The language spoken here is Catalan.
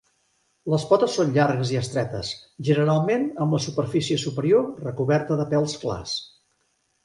Les potes són llargues i estretes, generalment amb la superfície superior recoberta de pèls clars.